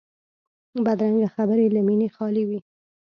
بدرنګه خبرې له مینې خالي وي